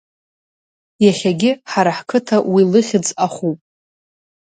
Иахьагьы ҳара ҳқыҭа уи лыхьӡ ахуп…